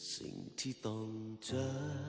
สิ่งที่ต้องเจอ